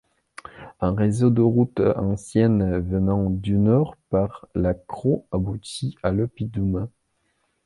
Un réseau de routes anciennes venant du nord par la Crau aboutit à l'oppidum.